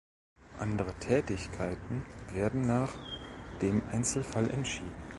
Andere Tätigkeiten werden nach dem Einzelfall entschieden.